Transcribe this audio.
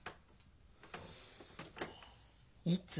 いつ？